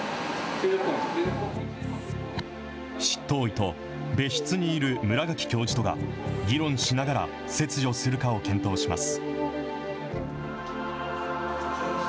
執刀医と、別室にいる村垣教授とが、議論しながら切除するかを検討します。